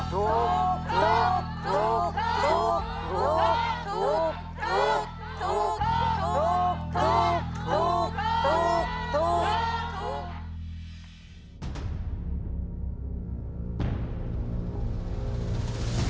ถูก